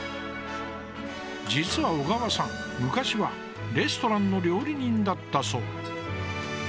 実は小川さん、昔はレストランの料理人だったそう。